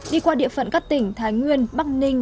đi qua địa phận các tỉnh thái nguyên bắc ninh